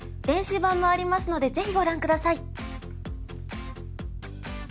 電子版もありますのでぜひご覧下さい。